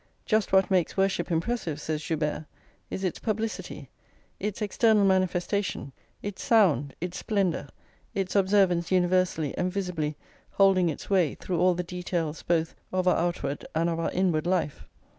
"Just what makes worship impressive," says Joubert, "is its publicity, its external manifestation, its sound, its splendour, its observance universally and visibly holding its way through all the details both of our outward and of our inward life."